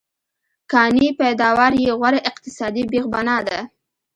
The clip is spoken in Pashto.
کانې پیداوار یې غوره اقتصادي بېخبنا ده.